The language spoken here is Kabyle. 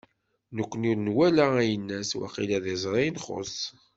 Nekni ur nwala ayennat, waqila d iẓri i nxuṣ.